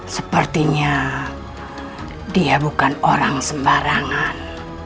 sepertinya dia bukan orang sembarangan